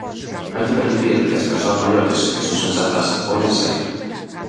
Hai que permitir que as persoas maiores, que son sensatas, poidan saír.